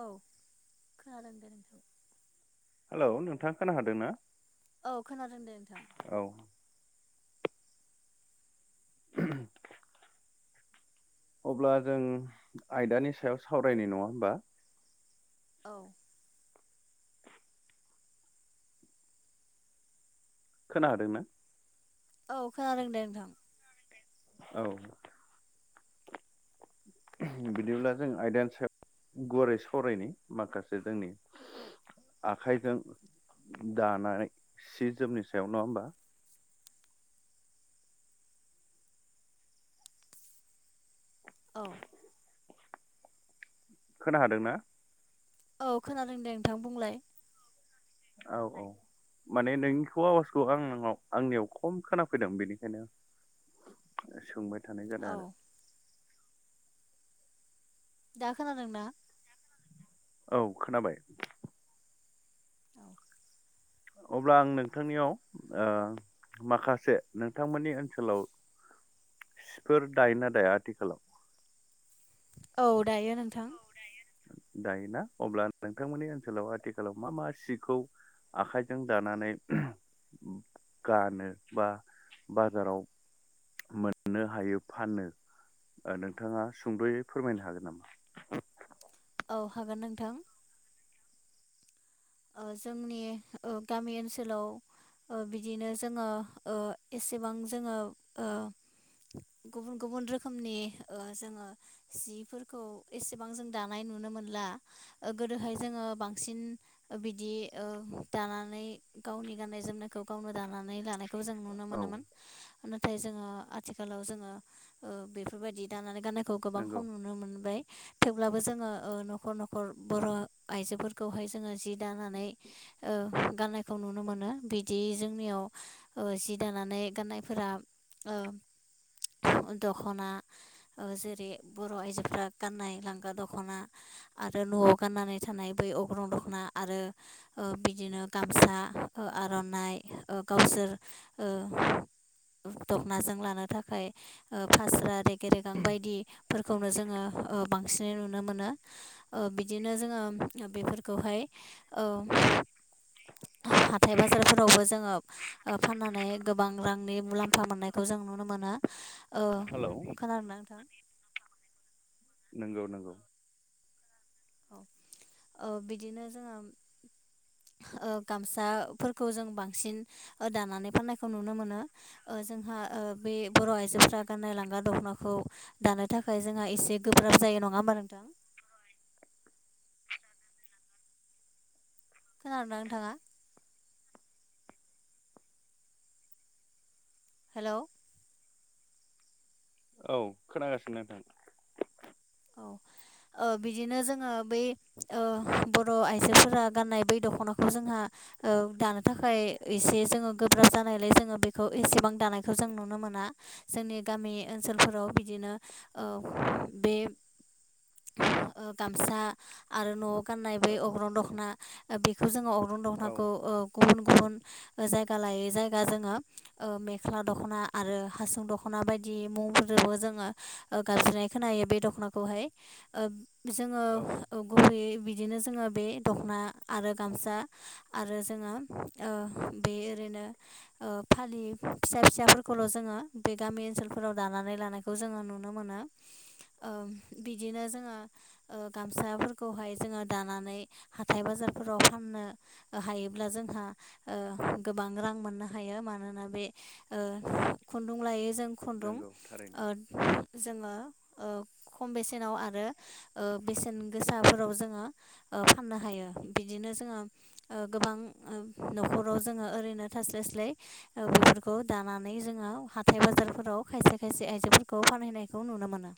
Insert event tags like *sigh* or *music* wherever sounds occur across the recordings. औ खोनादों दे नोंथां। हेलौ नोंथाङा खोना हादोंना। औ खोनादों दे नोंथां औ। *unintelligible* अब्ला जों आयदानि सायाव सावरायनि नङा होमबा। औ। खोना हादोंना। औ खोनादों दे नोंथां। औ। बिदिब्ला जों आयदानि सायाव। गुवारै सावरायनि माखासे जोंनि। आखाइजों दानानै सि जोमनि सायाव नङा होमबा। औ खोना हादोंना। औ खोनादों दे नोंथां बुंलाय। औ औ। माने नोंनिखौ आवाजखौ आं आंनियाव खम खोनाफैदों बेनिखायनो। सोंबाय थानाय जादों औ आरो। दा खोनादोंना। औ खोनाबाय। *unintelligible* अब्ला आं नोंथांनियाव ओ। माखासे नोंथांमोननि ओनसोलाव। सि फोर दायोना दाया आथिखालाव। औ दायो नोंथां। *unintelligible* दायोना अब्ला नोंथांमोननि ओनसोलाव आथिखालाव मा मा सिखौ आखाइजों दानानै। गानो बा बाजाराव। मोननो हायो फानो। नोंथाङा सुंद'यै फोरमायनो हागोन नामा। औ हागोन नोंथां। जोंनि गामि ओनसोलाव। बिदिनो जोङो एसेबां जोङो। गुबुन गुबुन रोखोमनि जोङो जिफोरखौ एसेबां जों दानाय। नुनो मोनला गोदोहाय जोङो बांसिन। बिदि दानानै गावनि गाननाय जोमनायखौ गावनो दानानै लानाय। खौ जों नुनो औ मोनोमोन। नाथाय जोङो आथिखालाव जोङो बेफोरबायदि दानानै गान खौ गोबां नंगौ खम नुनो मोनबाय। थेवब्लाबो जोङो ओ न'खर न'खर बर' आइजोफोरखौहाय जोङो जि दानानै ओ गाननायखौ नुनो मोनो बिदि जोंनियाव जि दानानै गाननायफोरा ओ दख'ना जेरै बर' आइजोफ्रा गाननाय लांगा दख'ना आरो न'आव गाननानै थानाय बै अग्रं दख'ना आरो बिदिनो गामसा आर'नाइ गावसोर ओ ज *inaudible* दख'नाजों लानो थाखाय फास्रा गेरेगां बायदिफोरखौनो जोङो बांसिनै नुनो। नुनो मोनो बिदिनो जोङो बेफोरखौहाय हाथाय बाजारफोरावबो जोङो फाननानै गोबां रांनि मुलाम्फा मोननायखौ जों नुनो मोनो। औ हेलौ खोनादों ना नोंथां? नंगौ नंगौ। औ बिदिनो जोङो ओ गामसाफोरखौ जों बांसिन दानानै फाननायखौ नुनो मोनो ओ जोंहा ओ बे बर' आइजोफ्रा गाननाय लांगा दखनाखौ दानो थाखाय जोंहा एसे गोब्राब जायो नङा होमबा *unintelligible* औ खोनदों ना नोंथाङा? हेलौ औ खोनागासिनो नोंथां। औ ओ बिदिनो जोङो बै ओ बर' आइजोफोरा गाननाय बै दख'नाखौ जोंहा ओ दानो थाखाय एसे जोङो गोब्राब जानायलाय जोङो बेखौ एसेबां दानायखौ जों नुनो मोना। दा जोंनि गामि ओनसोलफोराव बिदिनो ओ बे ओ गामसा आरो न'आव गाननाय ब अग्रन दख'ना ओ बेखौ जोङो अ अग्रं औ दखनाखौ‌ओ गुबुन गुबुन जायगा लायै जायगा जोङो ओ मेख्ला दख'ना आरो हासुं दख'ना दना बायदि मुंफोरबो जोङो गाबज्रिनाय खोनायो बे दख'नाखौ हाय ओ जोङो औ गुबैयै बिदिनो जोङो बे दख'ना आरो गामसा आरो जोङो ओ बे ओरै बिदिनो ओ फालि फिसा फिसाफोरखौल' जोङो बे गामि ओनसोलफोराव दानानै लानायखौ जों जोङो नुनो मोनो ओ बिदिनो जोङो ओ गामसाफोरखौहाय जोङो दानानै हाथाय बाजारफोराव फान नो हायोब्ला जोंहा गोबां ओ रां मोननो ओ हायो मानोना बे खुन्दुं लायो जों खुन्दुं नंगौ थारैनो ओ जोङो ओ खम बेसेनाव आरो ओ बेसेन गोसाफोराव जोङो फाननो हायो बिदिनो जों जोङो गोबां ओ न'खराव जोङो ओरैनो थास्लाय स्लाय बेफोरखौ ओ दानो लानानै जोङो हाथाय बाजारफोराव खायसे खायसे आयजोफोरखौ बानहैनायखौ नुनो मोनो।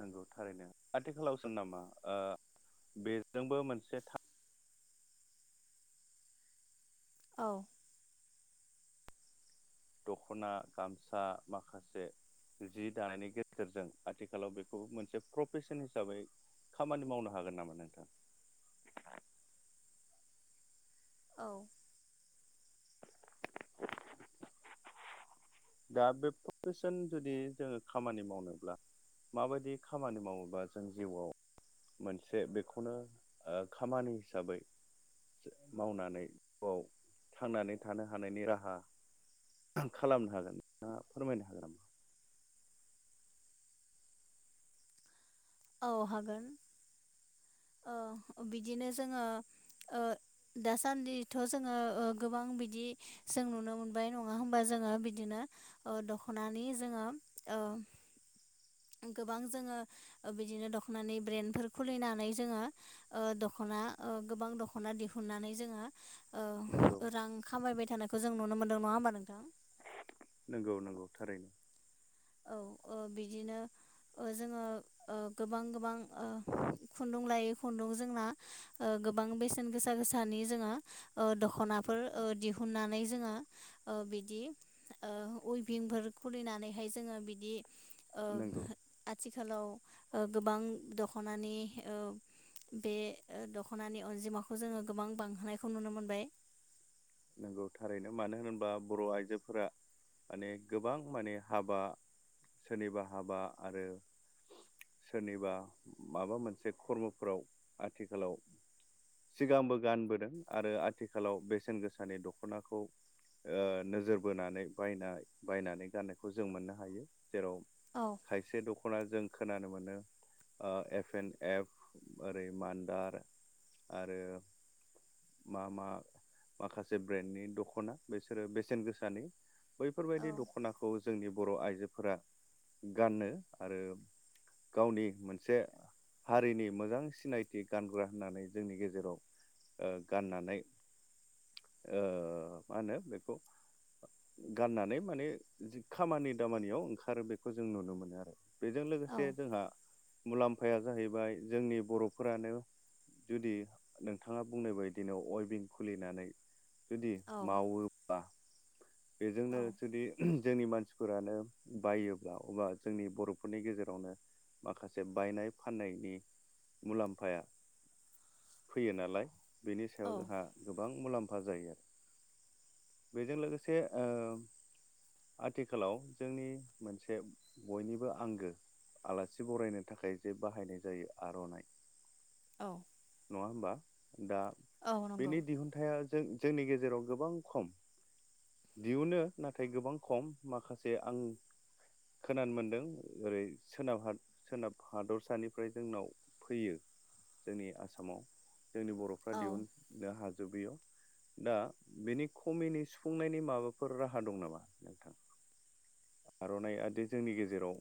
नंगौ थारैनो आथिखालावसो नामा आ बेजोंबो मोनसे औ दख'ना, गामसा माखासे जि दानायनि गेजेरजों आथिखालाव बेखौ मोनसे प्रफेसन हिसाबै खामानि मावनो हागोन नामा नोंथां। औ दा बे प्रेफेसन जुदि जोङो खामानि मावनोब्ला माबायदि खामानि मावोबा जों जिउआव मोनसे बेखौनो खामानि हिसाबै मावनानै जिउआव थांनानै थानो हानायनि राहा खालामनो हागोन नोंथाङा फोरमायनो हागोन नामा औ हागोन ओ बिदिनो जोङो ओ दासान्दिथ' जोङो गोबां बिदि जों नुनो मोनबाय नङा होमबा जों जोङो बिदिनो दख'नानि जोङो ओ गोबां जोङो बिदिनो दख'नानि ब्रेन्डफोर खुलिनानै जोङो ओ दख'ना गोबां दख'ना दिहुननानै जोङो नंगौ ओ रां खामायबाय थानायखौ जों नुनो मोनदों नङा होमबा नोंथां नंगौ नंगौ थारैनो औ ओ बिदिनो जोङो गोबां गोबां खुन्दुं लायै खुन्दुं जोंना गोबां बेसेन गोसा गोसानि जोङो दख'नाफोर दिहुननानै जोङो बिदि उभिंफोर खुलिनानै बेहाय जोङो बिदि नंगौ आथिखालाव गोबां दख'नानि बे दख'नानि अनजिमाखौ जोङो गोबां बांहोनायखौ नुनो मोनबाय नंगौ थारैनो मानो होनोबा बर' आइजोफोरा माने गोबां माने हाबा सोरनिबा हाबा आरो सोरनिबा माबा मोनसे खर्मफोराव आथिखालाव सिगांबो गानबोदों आरो आथिखालाव बेसेन गोसानि दख'नाखौ ओ नोजोर बोनानै बायना बायनानै गाननायखौ जों मोननो हायो जेराव औ खायसे दखान अब्ला जों खोनानो मोनो एफ एन एप ओरै मान्दार आरो मा मा माखासे ब्रेन्डनि दख'ना बेसोरो बेसेन गोसानि औ बैफोरबायदि दख'नाखौ जोंनि बर' आइजोफोरा गानो आरो गावनि मोनसे हारिनि मोजां सिनायथि गानग्रा होननानै जोंनि गेजेराव गाननानै ओ मा होनो बेखौ गाननानै माने जि खामानि दामानियाव ओंखारो बेखौ जों नुनो मोनो आरो बेजों लोगोसे औ लोगोसे जोंहा मुलाम्फाया जाहैबाय जोंनि बर'फोरानो जुदि नोंथाङा बुंनाय बायदिनो अयबिन खुलि नानै जुदि मावोब्ला बेजोंनो औ जुदि जोंनि मानसिफोरानो बायोब्ला अबा जोंनि बर'फोरनि गेजेरावनो माखासे बायनाय फाननायनि मुलाम्फाया फैयो नालाय बेनि सायाव औ जोंहा गोबां मुलाम्फा जायो आरो बेजों लोगोसे ओ आथिखालाव जोंनि मोनसे बयनिबो आंगो आलासि बरायनो थाखाय जे बाहायनाय जायो आर'नाइ औ नङा हबा दा औ नंगौ। बिनि दिहुनथाया जों जोंनि गेजेराव गोबां खम दिहुनो नाथाय गोबां खम माखासे आं खोनानो मोनदों ओरै सोनाब सोनाब हादरसानिफ्राय जोंनाव फैयो जोंनि आसामाव जोंनि बर'फ्रा औ दिहुन हाजोबैयाव दा बिनि खमिनि सुफुंनायनि माबाफोर राहा दं नामा नोंथां आर'नाइआदि जोंनि गेजेराव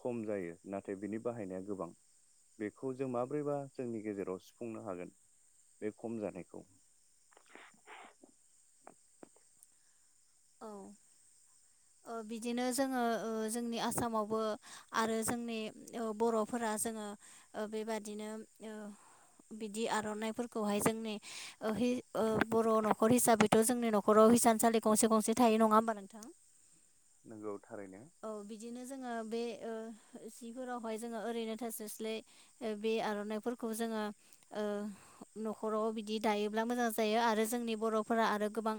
खम जायो नाथाय बिनि बाहायनाया गोबां बेखौ जों माब्रैबा जोंनि गेजेराव सुफुंनो हागोन बे खम जानायखौ औ बिदिनो जोङो जोंनि आसामावबो आरो जोंनि बर'फोरा जोङो ओ बेबादिनो ओ बिदि आर'नाइफोरखौहाय जोंनि ओ बर' न'खर हिसाबैथ' जोंनि न'खराव हिसानसालि गंसे गंसे थायो नङा होमबा नोंथां नोंगौ थारैनो औ बिदिनो जोङो बे ओ सिफोरावहाय जोङो ओरैनो थास्लाय स्लाय बे आर'नाइफोरखौ जोङो ओ न'खराव बिदि दायोब्ला मोजां जायो आरो जोंनि बर बर'फोरा आरो गोबां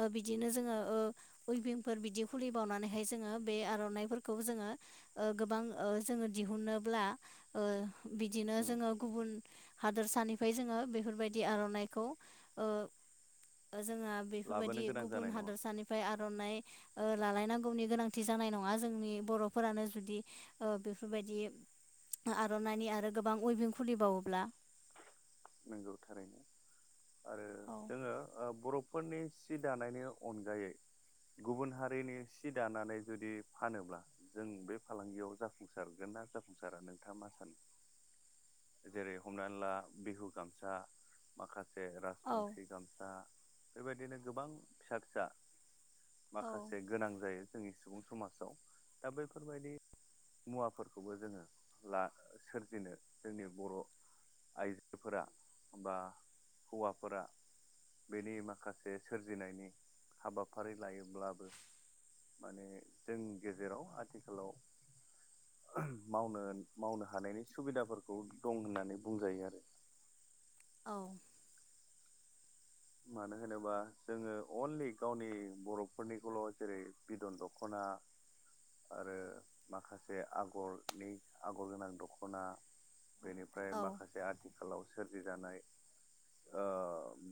ओ बिदिनो जोङो ओ उइभिंफोर बिदि खुलिबावनानैहाय जोङो बे आर'नाइफोरखौ जोङो ओ गोबां ओ जोङो दिहुनोब्ला ओ बिदिनो उम जोङो गुबुन हादोरसानिफ्राय जोङो बेफोरबायदि आर'नाइखौ ओ जोंहा लाबोनो बेफोरबायदि गोनां गुबुन जानाय नङा हादरसानिफ्राय आर'नाइ ओ लालायनांगौनि गोनांथि थि जानाय नङा जोंनि बर'फोरानो जुदि ओ बेफोरबायदि आर'नाइनि आरो गोबां उइभिं खुलिबावोब्ला नोंगौ थारैनो आरो औ जोङो ओ बर' फोरनि सि दानायनि अनगायै गुबुन हारिनि सि दानानै जुदि फानोब्ला जों बे फालांगियाव जाफुंसारगोन जाफुंसारा नोंथाङा मा सानो जेरै हमनानै ला बिहु गामसा माखासे औ राजबंसि गामसा बेबायदिनो गोबां फिसा फिसा औ माखासे गोनां जायो जोंनि सुबुं समाजाव दा बैफोरबायदि मुवाफोरखौबो जोङो ला सोरजिनो जोंनि बर' आइजो आइजोफोरा बा हौवाफोरा बेनि माखासे सोरजिनायनि हाबाफारि लायोब्लाबो माने जों गेजेराव आथिखालाव मावनो मावनो हानायनि सुबिदाफोरखौ दं होननानै बुंजायो आरो औ मानो होनोबा जोङो अनलि गावनि बर'फोरनिखौल' जेरै बिदन दख'ना दा आरो माखासे आगरनि आगर गोनां दख'ना बेनिफ्राय औ माखासे आथिखालाव सोरजिजानाय ओ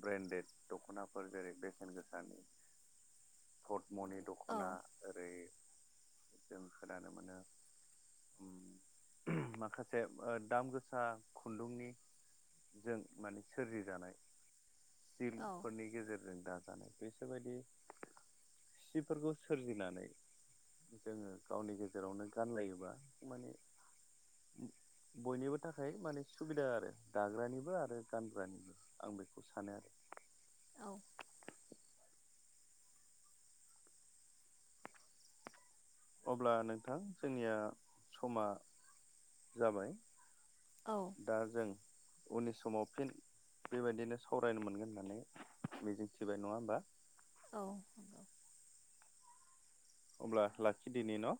ब्रेन्डेड दख'नाफोर जेरै बेसेन गोसानि मनि औ दख'ना ओरै जों खोनानो मोनो माखासे ओ दाम गोसा खुन्दुंनि जों माने सोरजिजानाय सिलफोरनि गेजेरजों दा बिस बदि सिफोरखौ सोरजिनानै जोङो गावनि गेजेरावनो गानलायोबा माने बयनिबो थाखाय माने सुबिदा आरो दाग्रानिबो आरो गानग्रानिबो आं बेखौ सानो आरो औ अब्ला नोंथां जोंनिया समा जाबाय औ दा जों उननि समाव फिन बेबायदिनो सावरायनो मोनगोन होननानै मिजिंथिबाय नङा होमबा औ नंगौ अब्ला लाखिदिनि न'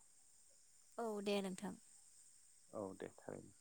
औ दे नोंथां औ दे थारैनो